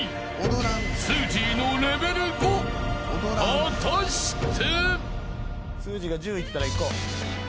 ［果たして？］